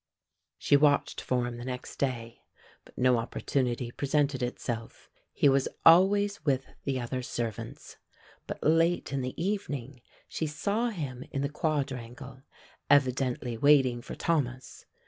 She watched for him the next day, but no opportunity presented itself. He was always with the other servants. But late in the evening she saw him in the quadrangle evidently waiting for Thomas.